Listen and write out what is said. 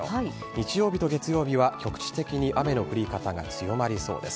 日曜日と月曜日は局地的に雨の降り方が強まりそうです。